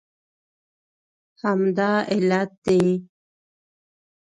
همدا علت دی